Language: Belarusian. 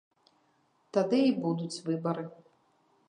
Тады і будуць выбары.